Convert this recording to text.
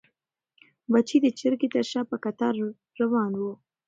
بچي د چرګې تر شا په کتار روان وو.